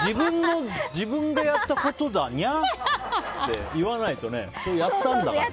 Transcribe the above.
自分でやったことだにゃって言わないとね、やったんだから。